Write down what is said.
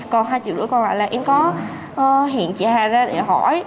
còn hai triệu rưỡi còn lại là em có hẹn chị hà ra để hỏi